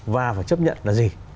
và phải chấp nhận là gì